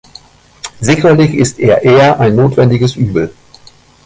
Sicherlich ist er eher ein notwendiges Übel.